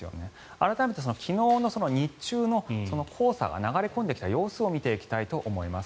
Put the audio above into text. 改めて、昨日の日中の黄砂が流れ込んできた様子を見ていきたいと思います。